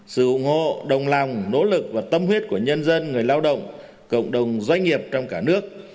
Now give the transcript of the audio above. sự ủng hộ đồng lòng nỗ lực và tâm huyết của nhân dân người lao động cộng đồng doanh nghiệp trong cả nước